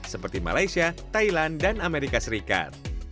seperti malaysia thailand dan amerika serikat